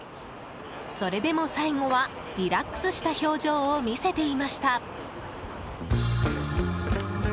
それでも最後は、リラックスした表情を見せていました。